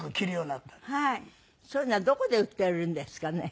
そういうのはどこで売っているんですかね？